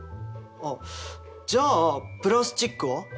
あっじゃあプラスチックは？